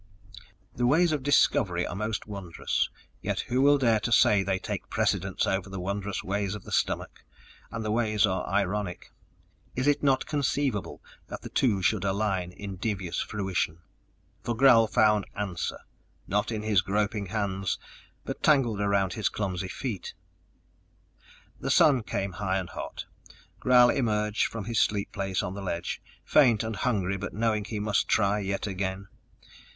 _The ways of discovery are most wondrous yet who will dare to say they take precedence over the wondrous ways of the stomach? And the ways are ironic; is it not conceivable that the two should align in devious fruition?_ For Gral found answer, not in his groping hands, but tangled about his clumsy feet! The sun came high and hot. Gral emerged from his sleep place on the ledge, faint and hungry but knowing he must try yet again.